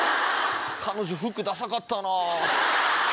彼女服ダサかったなぁ。